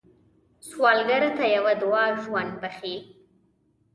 سوالګر ته یوه دعا ژوند بښي